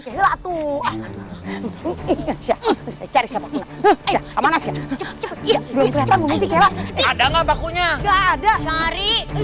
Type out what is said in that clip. kamu jangan kabur